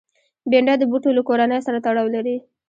بېنډۍ د بوټو له کورنۍ سره تړاو لري